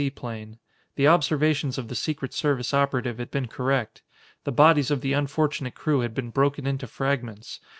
C. plane. The observations of the secret service operative had been correct. The bodies of the unfortunate crew had been broken into fragments.